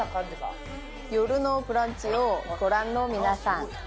「よるのブランチ」をご覧の皆さん